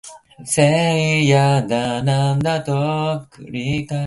北海道訓子府町